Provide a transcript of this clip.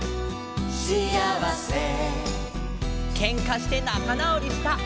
「シアワセ」「けんかしてなかなおりした」！